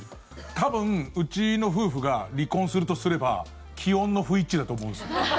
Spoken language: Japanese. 多分うちの夫婦が離婚するとすれば気温の不一致だと思うんです。